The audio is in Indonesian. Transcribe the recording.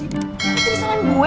itu disalahin gue